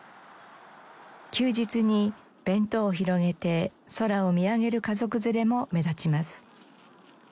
休日に弁当を広げて空を見上げる家族連れも目立ちます。